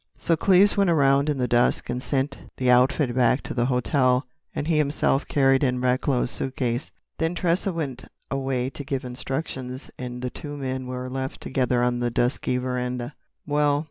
So Cleves went around in the dusk and sent the outfit back to the hotel, and he himself carried in Recklow's suitcase. Then Tressa went away to give instructions, and the two men were left together on the dusky veranda. "Well?"